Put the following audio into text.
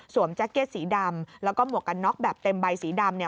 แจ็คเก็ตสีดำแล้วก็หมวกกันน็อกแบบเต็มใบสีดำเนี่ย